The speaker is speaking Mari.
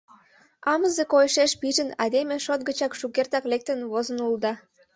Амызе койышеш пижын, айдеме шот гычат шукертак лектын возын улыда.